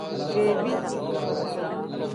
Bebi.